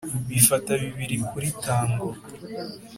bifata bibiri kuri tango